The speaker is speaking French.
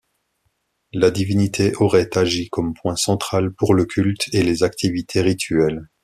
La divinité aurait agi comme point central pour le culte et les activités rituelles.